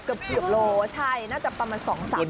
เกือบโลใช่น่าจะประมาณ๒๓